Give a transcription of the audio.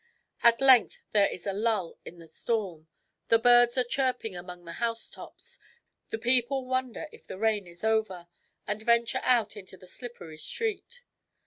At length there is a lull in the storm. The birds are chirping among the housetops. The people wonder if the rain is over, and venture out into the slippery street.